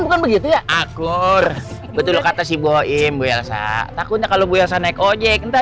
bukan begitu ya akur betul kata si boim biasa takutnya kalau gue sana kojek entah